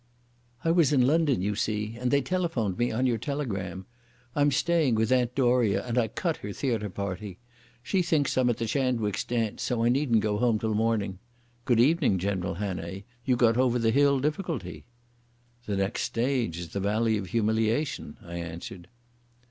"I was in London, you see, and they telephoned on your telegram. I'm staying with Aunt Doria, and I cut her theatre party. She thinks I'm at the Shandwick's dance, so I needn't go home till morning.... Good evening, General Hannay. You got over the Hill Difficulty." "The next stage is the Valley of Humiliation," I answered.